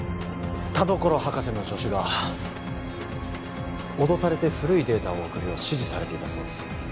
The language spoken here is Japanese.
田所博士の助手が脅されて古いデータを送るよう指示されていたそうです